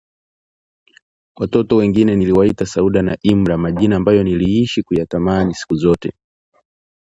Watoto wengine niliwaita Sauda na Imra; majina ambayo niliishi kuyatamani siku zote